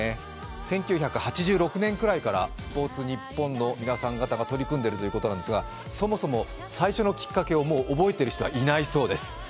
１９８６年ぐらいから「スポーツニッポン」の皆さん方が取り組んでいるということなんですが、そもそも最初のきっかけを、もう覚えている人はいないそうです。